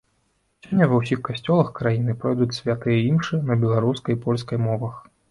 Сёння ва ўсіх касцёлах краіны пройдуць святыя імшы на беларускай і польскай мовах.